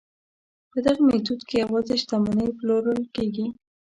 په دغه میتود کې یوازې شتمنۍ پلورل کیږي.